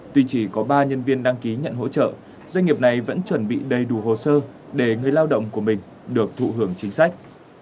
tuy chỉ có ba nhân viên đăng ký nhận hỗ trợ doanh nghiệp này vẫn chuẩn bị đầy đủ hồ sơ để người lao động của mình được thụ hưởng chính sách